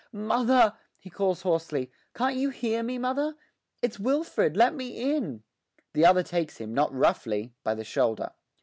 'Mother!' he calls hoarsely. 'Can't you hear me, mother? It's Wilfred; let me in!' The other takes him, not roughly, by the shoulder.